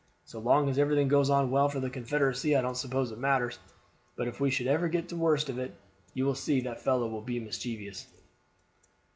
So long as everything goes on well for the Confederacy I don't suppose it matters, but if we should ever get the worst of it you will see that fellow will be mischievous.